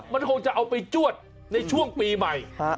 มันคงจะเอาไปจวดในช่วงปีใหม่